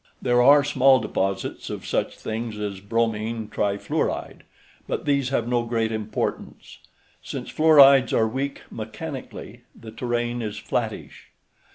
There are small deposits of such things as bromine trifluoride, but these have no great importance. Since fluorides are weak mechanically, the terrain is flattish.